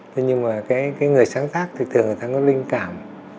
thế nhưng mà cái người sáng tác thì thường người ta có linh cảm